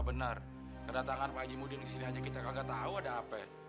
benar kedatangan pak haji muhyiddin disini hanya kita gak tau ada apa